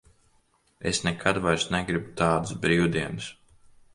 Es nekad vairs negribu tādas brīvdienas.